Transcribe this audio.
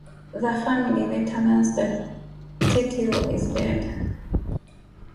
The family later learns that Titli is dead.